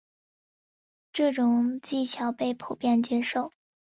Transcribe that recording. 这种技巧被普遍接受。